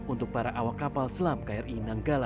untuk para awak kapal selam kri nanggala empat ratus dua